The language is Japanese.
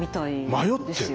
迷ってる？